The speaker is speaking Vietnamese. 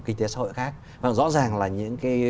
kinh tế xã hội khác và rõ ràng là những cái